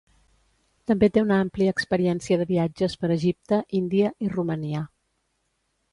També té una àmplia experiència de viatges per Egipte, Índia i Romania.